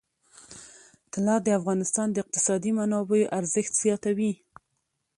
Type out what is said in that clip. طلا د افغانستان د اقتصادي منابعو ارزښت زیاتوي.